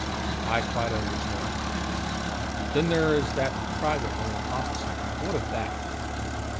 "I quite understand. Then there is the private room opposite. What of that?"